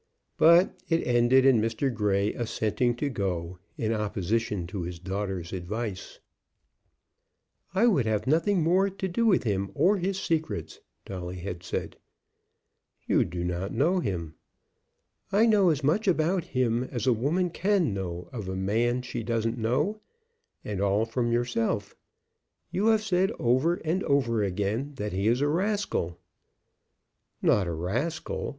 But it ended in Mr. Grey assenting to go, in opposition to his daughter's advice. "I would have nothing more to do with him or his secrets," Dolly had said. "You do not know him." "I know as much about him as a woman can know of a man she doesn't know, and all from yourself. You have said over and over again that he is a 'rascal!'" "Not a rascal.